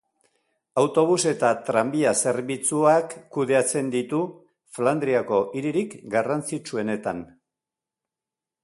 Autobus eta tranbia zerbitzuak kudeatzen ditu Flandriako hiririk garrantzitsuenetan.